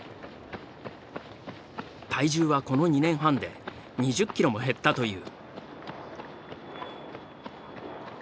体重はこの２年半で２０キロも減ったという。